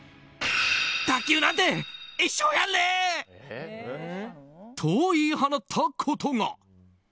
卓球なんて一生やんねえ！と、言い放ったことが。